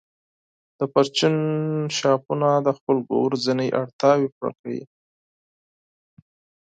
د پرچون شاپونه د خلکو ورځنۍ اړتیاوې پوره کوي.